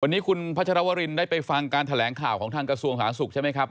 วันนี้คุณพัชรวรินได้ไปฟังการแถลงข่าวของทางกระทรวงสาธารณสุขใช่ไหมครับ